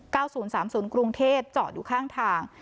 เก้าศูนย์สามศูนย์กรุงเทศเจาะอยู่ข้างทาง